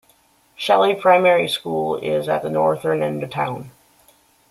Shelley Primary School is at the northern end of town.